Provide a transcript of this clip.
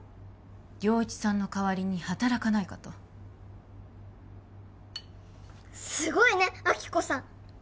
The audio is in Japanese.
良一さんの代わりに働かないかとすごいね亜希子さん